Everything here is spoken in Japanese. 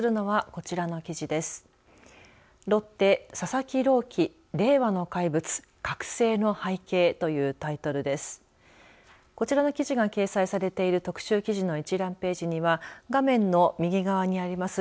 こちらは記事が掲載されている特集記事の一覧ページには画面の右側にあります